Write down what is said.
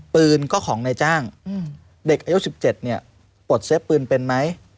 ปืนก็ของในจ้างเด็กอายุ๑๗ปวดเซฟปืนเป็นไหม